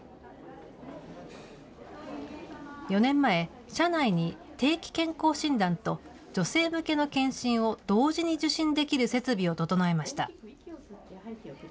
４年前、社内に定期健康診断と、女性向けの検診を同時に受診できる設備を整えました。